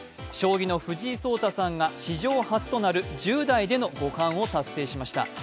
将棋の藤井聡太さんが史上初となる１０代での五冠を達成しました。